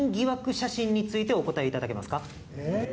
写真についてお答えいただけますか？